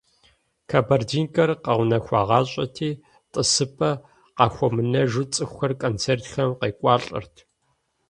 «Кабардинкэр» къэунэхуагъащӀэти, тӀысыпӀэ къахуэмынэжу цӀыхухэр концертхэм къекӀуалӀэрт.